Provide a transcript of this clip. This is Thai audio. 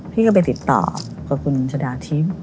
พี่ก็ไปติดต่อกับคุณชะดาทิพย์